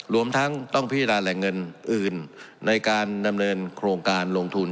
รวมทั้งต้องพิจารณาแหล่งเงินอื่นในการดำเนินโครงการลงทุน